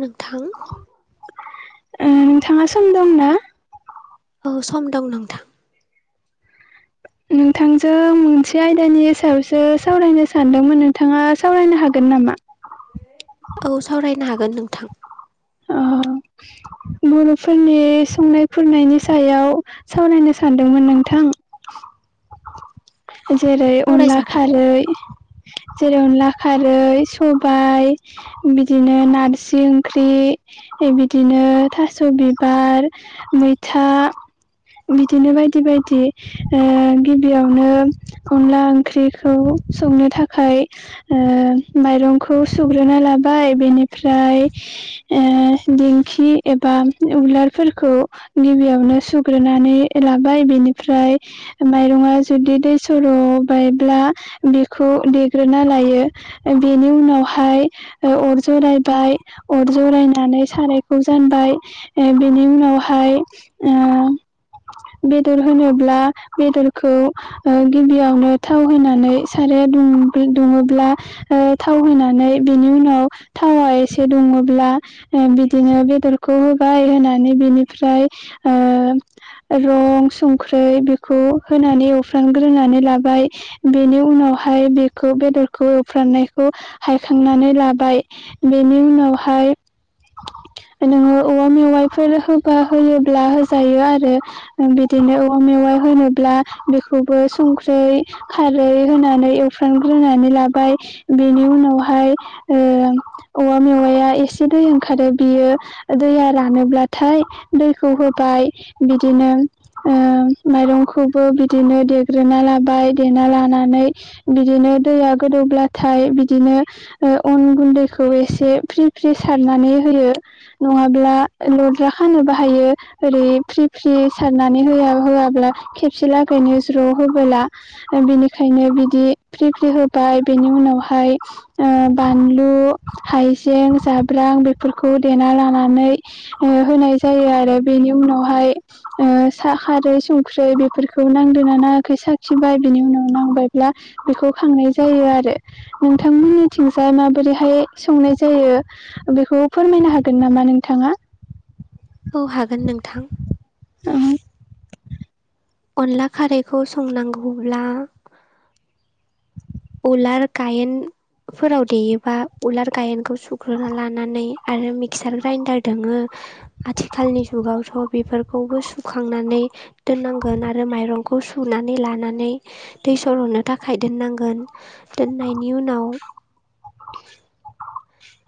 नोंथां। ओ नोंथाङा सम दंना? औ सम दं नोंथां। नोंथांजों मोनसे आयदानि सायावसो सावरायनो सानदोंमोन नोंथाङा सावरायनो हागोन नामा? औ सावरायनो हागोन नोंथां। अ बर'फोरनि संनाय खुरनायनि सायाव सावरायनो सानदोंमोन नोंथां। जेरै अनला सावरायजागोन खारै जेरै अनला खारै सबाय बिदिनो नारजि ओंख्रि ए बिदिनो थास' बिबार मैथा बिदिनो बायदि बायदि ओ गिबियावनो अनला ओंख्रिखौ संनो थाखाय ओ माइरंखौ सुग्रोना लाबाय बेनिफ्राय ओ दिेंखि एबा उलारफोरखौ गिबियावनो सुग्रोनानै लाबाय बि बेनिफ्राय माइरंया जुदि दै सर'बायब्ला बेखौ देग्रोना ना लायो बेनि उनावहाय अर जरायबाय जरायनानै सारायखौ जानबाय बिनि उनावहाय ओ बेदर होनोब्ला बेदरखौ ओ गिबियावनो थाव होनानै सारा दुंग्रो दुंङोब्ला ओ थाव होननानै बेनि उनाव थावा एसे दुङो ब्ला बिदिनो बेदरखौ होबाय होनानै बिनिफ्राय ओ रं संख्रै बेखौ होनानै एवफ्रामग्रोनानै लाबाय बेनि उनावहा बेखौ बेदरखौ एवफ्रामनायखौ हायखांनानै लाबाय बेनि उनाव फाय नोङो औवा मेवाइफोर होबा होयोब्ला होजायो आरो बिदिनो औवा मेवाइ होनोब्ला बेखौबो संख्रै खारै होनानै एवफ्रामग्रोनानै लाबाय। बेनि उनावहाय ओ औवा मेवाया एसे दै ओंखारो बियो दैया रानोब्लाथाय दैखौ होबाय बिदिनो ओ माइरंखौबो बिदिनो देग्रोना लाबाय देना लानानै बिदिनो दैया गोदौब्लाथाय बिदिनो अन गुन्दैखौ एसे फ्रि फ्रि सारनानै होयो नङाब्ला लद्रा खानो बाहायो ओरै फ्रि फ्रि सारनानै हो होआब्ला खेबसे लागैनो ज्र' होबोला बिनिखायनो बिदि बि फ्रि फ्रि होबाय बेनि उनावहाय बानलु हाइजें जाब्रां बेफोरखौ देना लानानै होनाय जायो आरो बेनि उनावहाय ओ खारै संख्रै बेफोरखौ नांदोनना नाङाखै साखिबाय बिनि उनाव नांबायब्ला बेखौ खांनाय जायो आरो नोंथांमोननिथिंजाय माबोरैहाय संनाय जायो? बेखौ फोरमायनो हागोन नामा नोंथाङा? औ हागोन नोंथां। [inaudible] अनला खारैखौ संनांगौब्ला उलार गायेन फोराव देयोबा उलार गायेनखौ सुग्रोना लानानै आरो मिक्सार ग्राइडार दोङो आथिखालनि जुगावथ' बेफोरखौबो सुखांनानै दोननांगोन आरो माइरंखौ सुनानै लानानै दै सर'नो थाखाय दोननांगोन दोननायनि उनाव [inaudible]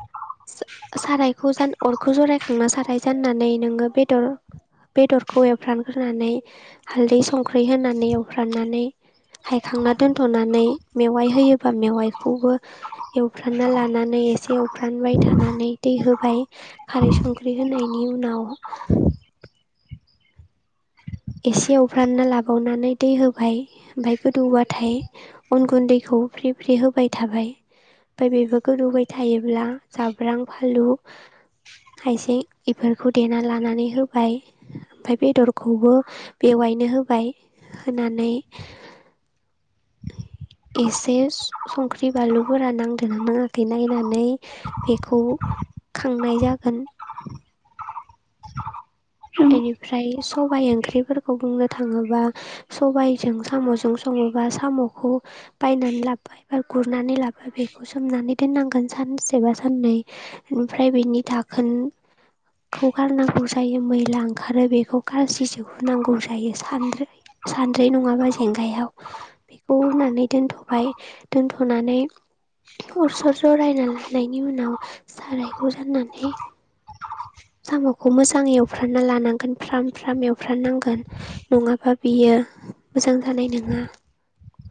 सारायखौ ज अरखौ जरायखांना साराय जाननानै नोङो बेदर बेदरखौ एवफ्रानग्रोनानै हालदै संख्रि होनानै एवफ्राननानै हायखांना दोनथ'नानै मेवाइ होयोबा मेवाइखौबो एवफ्रानना लानानै एसे एवफ्रानबाय थानानै दै होबाय खारै संख्रि होनायनि उनाव एसे एव फ्रानना लाबावनानै दै होबाय ओमफाय गोदौबाथाय उन गुनन्दखौ फ्रि फ्रि होब बाय थाबाय ओमफाय बेखौ गोदौबाय थायोब्ला जाब्रां फालु हाइसेें एफोरखौ देना लानानै होबाय ओमफाय बेदरखौबो बेवायनो होबाय होनानै एसे संख्रि बानलु गोरा नांदोंना नाङाखै नायनानै बेखौ [inaudible] औ इनिफ्राय सबायाइ ओंख्रिफोरखौ बुंनो थाङोबा सबायजों साम'जों सङोबा साम'खौ बायनानै लाबोबाय गुरनानै लाबा बेखौ सोमनानै दोननांगोन सानसेबा साननै ओमफ्राय बेनि दाखोन [inaudible] खौगारनांगौ जायो मै लांखारो बेखौ गासि जहुनांगौ जायो सानद्रि सानद्रै नङाबा जेंगायाव बेखौ होननानै दोनथ'बाय दोन्थ'नानै अरसर जरायना लानायनि उनाव सारायखौ जाननानै साम'खौ मोजाङै एवफ्रानना लानांगोन फ्राम फ्राम एवफ्रानांगोन नङाबा बियो मोजां जानाय नङा [inaudible]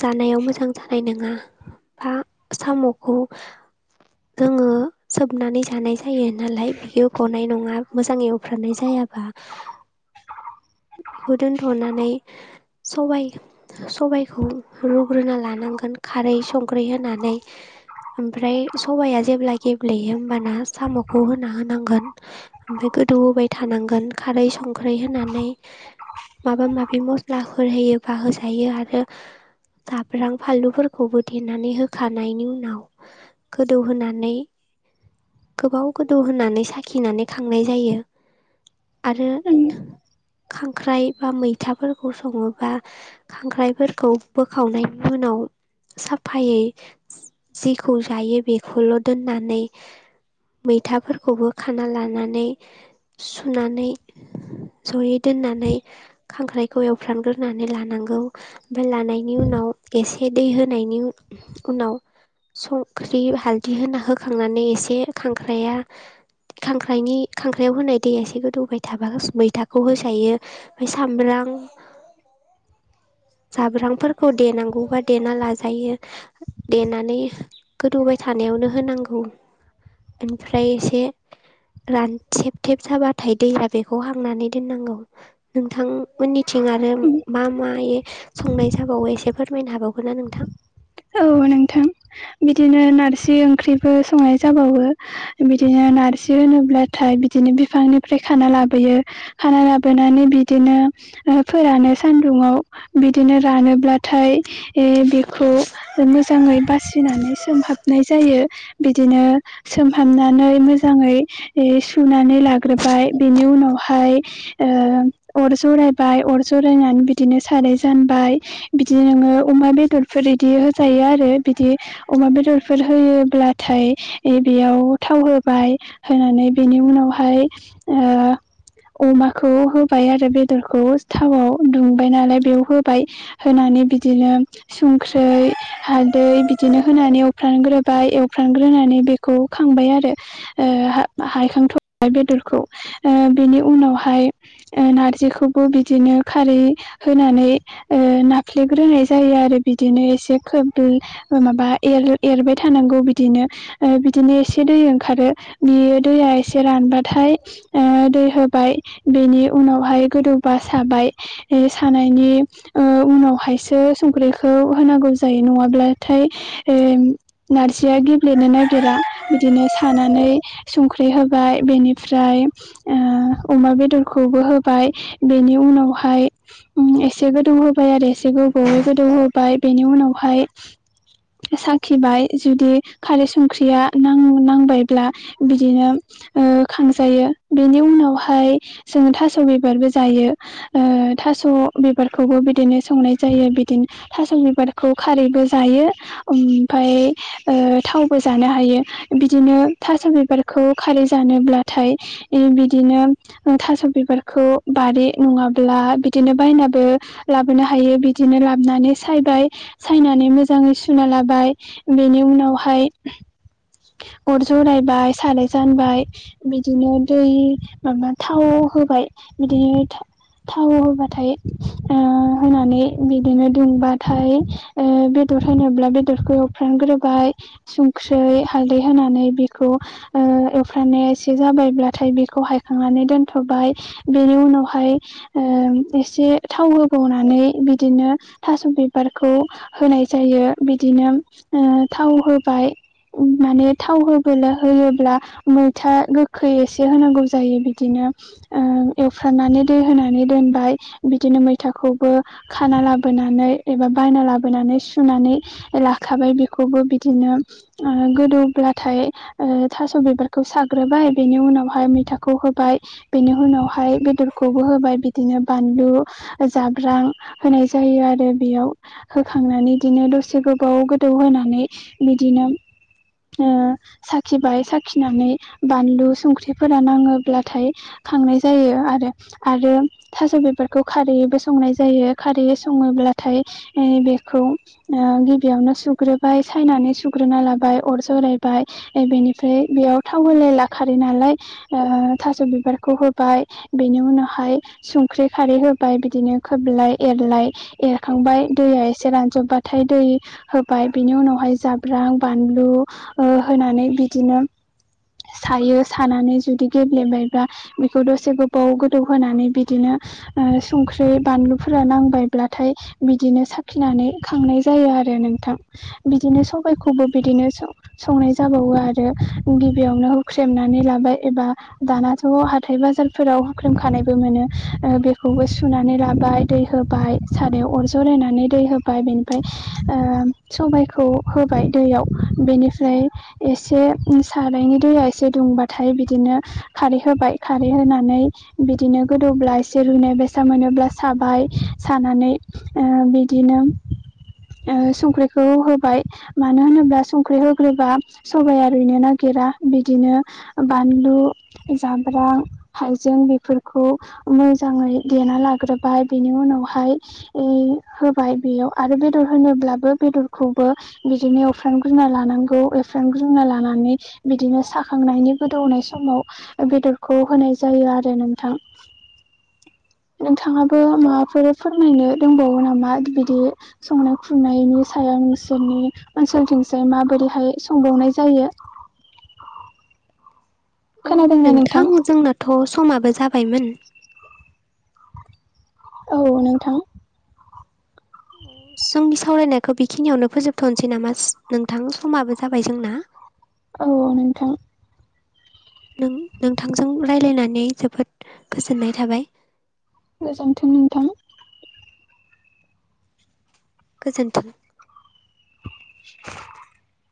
जानायाव मोजां जानाय नङा बा साम'खौ जोङो सोबनानै जानाय जायो नालाय बियो गनाय नङा मोजाङ एवफ्रनाय जायाबा बेखौ दोनथ'नानै सबाइ सबायाइखौ रुग्रोना लानांगोन खारै संख्रै होनानै। ओमफ्राय सबाया जेब्ला गेब्लेयो होमबाना साम'खौ होना होनांगोन ओमफाय गोदौ होबाय थानांगोन खारै संख्रै होनानै। माबा माबि मस्लाफोर होयोबा होजायो आरो जाब्रां फानलुफोरखौबो देनानै होखानायनि उनाव गोदौहोनानै गोबाव गोदौ होनानै साखिनानै खांनाय जायो। आरो खांख्राइ बा मैथाफोरखौ सङोबा खांख्राइफोरखौ बोखावनायनि उनाव साफायै जिखौ जायो बेखौल' दोननानै मैथाफोरखौबो खाना लानानै सुनानै जयै दोननानै खांख्राइखौ एवफ्रामग्रोनानै लानांगौ ओमफ्राय लानायनि उनाव एसे दै होनायनि उनाव संख्रि हालदै होनाहो खांनानै एसे खांख्राया खांख्राइनि खांख्राइयाव होनाय दैया एसे गोदौबाय थाबा मैथाखौ हो थायो ओमफ्राय सामब्राम जाब्रांफोरखौ देनांगौबा देना लाजायो देनानै गोदौबाय थायो। थानायावनो होनांगौ ओमफ्राय एसे रानथेब थेब जाबाथाय दैया बेखौ हांनानै दोननांगौ नोंथांमोननि थिं आरो मा माय संनाय जाबावो एसे फोरमायनो हाबावगोन ना नोंथां। औ नोंथां बिदिनो नारजि ओंख्रिबो संनाय जाबावो बिदिनो नारजि होनोब्लाथाय बिदिनो बिफांनिफ्राय खाना लाबोयो खाना लाबोनानै बिदिनो फोरानो सान सान्दुङाव बिदिनो रानोब्लाथाय ए बेखौ मोजाङै बासिनानै सोमहाबनाय जायो बिदिनो सोमहाबनानै मोजाङै यै सुनानै लाग्रोबाय बेनि उनावहाय ओ अर ज सरायबाय अर सरायनानै बिदिनो सानै जानबाय बिदि नोङो अमा बेदरफोर बिदि होजायो आरो बिदि अमा बेदरफोर होयोब्लाथाय बेयाव थाव हो होबाय होनानै बेनि उनावहाय ओ अमाखौ होबाय आरो बेदरखौ थावआव दुंबाय नालाय बेयाव होबाय होनानै बि बिदिनो सं ख्रै हालदै बिदिनो होनानै एवफ्रानग्रोबाय एवफ्रानग्रोनानै बेखौ खांबाय आर ओ हखांथ' बेदरखौ ओ बेनि उनावहाय ओ नारजिखौबो बिदिनो खारै होनानै ओ नाफ्लेग्रोनाय जायो आरो बिदिनो एसे खोब माबा एरबाय थानांगौ बिदिनो ओ बिदिनो एसे दै ओंखारो बियो दैया एसे रानबाथाय ओ दै होबाय बेनि उनावहाय गोदौबा साबाय सानायनि ओ उनावहायसो संख्रिखौ होनांगौ जायो नङाब्लाथाय ओ नारजिया गेब्लेनो नागिरा बिदिनो सानानै संख्रि होबाय बेनिफ्राय ओ अमा बेदरखौबो होबा बेनि उनावहाय एसे गोदौ होबाय आरो एसे गोबावै गोदौहो ओफ्राय बेनि उनावहाय साखिबाय जुदि खारै संख्रिया नांन नांबायब्ला बिदिनो ओ खांजायो बेनि उनावहाय जोङो थास' बिबारबो जायो ओ थास' बिबारखौबो बिदिनो संनाय जायो बिदिनो थास' बिबारखौ खारैबो जायो ओमफ्राय थावबो जानो हायो बिदिनो थास' बिबारखौ खारै जानोब्लाथाय बिदिनो थास' बिबा खौ--बारि नङाब बिदिनो बायन लाोनो हायो बिदिनो लाबोन सायबाय सायनानै मोजाङै सुना लाबाय बेनि उनावहाय अर जरायबाय साराय जानबाय बिदिनो दै माबा थाव होबाय बिदिनो थाव होबाथाय ओ होनानै बिदिनो दुंबाथाय ओ बेदर होनोब्ला बेदरखौ एवफ्रानग्रोबाय सुंख्रै हालदै होनानै बेखौ ओ एवफ्रनाया एसे जाबायब्लाथाय बेखौ हायखांनानै दोनथ' बा फ्राइ बेनि उनावहाय ओ एसे थाव होबावनानै बिदिनो थास' बिबारखौ होनाय जायो बिदिनो ओ थाव होबाय। माने थाव होयोब्ला मैथा गोखै एसे होनांगौ जायो बिदिनो ओ एफ्रामनानै होनानै दोनबाय बिदिनो मैथाखौबो खाना ला ला बोनानै एबा बायना लाबोनानै सुनानै लाखाबाय बेखौबो बिदिनो गोदौब्लाथाय ओ थास' बिबारखौ साग्रोबाय बेनि उनावहाय मैथाखौ होबाय बेनि उनावहाय बेदरखौबो होबाय बिदिनो बानलु जाब्रां होनाय जायो आरो बेयाव होखांनानै बिदिनो दसे गोबाव गोदौहानै बिदिनो ओ साखिबाय साखिनानै बानलु संख्रिफोरा नाङोब्लाथाय खांनाय जायो आरो आरो थास' बिबारखौ खारैयैबो संनाय जायो खारै सङोब्लाथाय ओ बेखौ ओ गिबियावनो सुग्रोबाय सायनानै सुग्रोना लाबाय बाय अर जरायबाय ए बेनिफ्राय बेयाव‌ थाव होलायला खारै नालाय ओ थास' बि बिखौ होबाय बेनि उनावहाय संख्रि खारै होबाय बिदिनो खोबलाय एरलाय एरखांबाय दैया एसे रानजोबबाथाय दै होबाय बिनि उनावहाय जाब्रां बानलु बानलु ओ होनानै बिदिनो सायो सानानै जुदि गेब्लेबायबा बेखौ दसे गोबाव गोदौ होनानै बिदिनो- - संख्रि बानलुफोरा नांबाय ब्लाथाय बिदिनो साखिनानै खांनाय जायो आरो नोंथां। बिदिनो औ सबायखौबो नोंथां। बिदिनो सं संनाय जाबावो आरो गिबियावनो हुख्रेमनानै लाबाय एबा दानाथ' हाथाय बाज हासारफोराव होख्रेमखानायबो मोनो बेखौबो सुनानै लाबाय दै होबाय [unintelligible] सारायाव अर जलायनानै दै होबाय बिनिफ्राय ओ सबायखौ खौ होबाय दैयाव बेनिफ्राय एसे सारायनि दैया एसे दुंबाथाय बिदिनो खारै होबाय खारै होनानै बिदिनो गोदौब्ला एसे रुनाय बायसा मोनोब्ला साबाय थानानै ओ बिदिनो ओ संख्रिखौ होबाय मानो होनोब्ला संख्रि होग्रोबा सबाया रुयनो नागिर फोरा बिदिनो बानलु जाम्रां हाइजें बेफोरखौ मोजाङै देना लाग्रोबाय बेनि उनाव फ्राइ इ होबाय बेयाव आरो बेदर होनो ब्लाबो बेदरखौबो बेजोंनो एउफ्रा ग्रुना लानांगौ एवफ्राम ग्रोना लानानै बिदिनो साखांनायनि गोदौनाय समाव बेदरखौ होनाय जायो आरो नोंथां नोंथाङाबो माबाफोर फोरमायनो दंबावो नामा बिदि संनाय खुरनायनि सायाव नोंसोरनि ओनसोलथिं जाय माबोरैहनाय संबावनाय जायो। औ नोंथां जोंनाथ' समाबो जाबायमोन औ नोंथां जोंनि सावरायनायखौ बेखिनियावनो फोजोबथ'नोसै नामा नोंथां समाबो जाबाय जोंना औ नोंथां। नों नोंथांजों रायजलायनानै जोबोद गोजोननाय थाबाय। गोजोनथों नोंथां। गोजोनथों [inaudible]